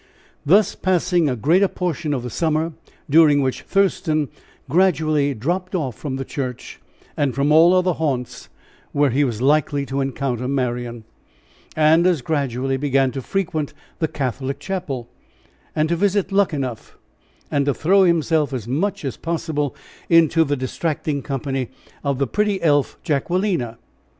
Thus passing a greater portion of the summer; during which Thurston gradually dropped off from the church, and from all other haunts where he was likely to encounter Marian, and as gradually began to frequent the Catholic chapel, and to visit Luckenough, and to throw himself as much as possible into the distracting company of the pretty elf Jacquelina.